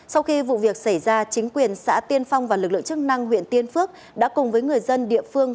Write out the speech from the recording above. sau khi vụ việc xảy ra chính quyền xã tiên phong và lực lượng chức năng huyện tiên phước đã cùng với người dân địa phương